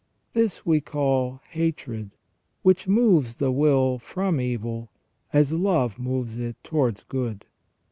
This we call hatred, which moves the will from evil, as love moves it towards good.